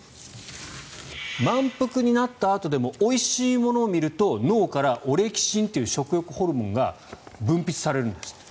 満腹になったあとでもおいしいものを見ると脳からオレキシンという食欲ホルモンが分泌されるんですって。